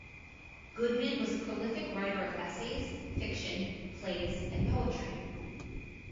Goodman was a prolific writer of essays, fiction, plays, and poetry.